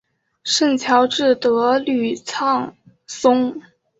圣乔治德吕藏松。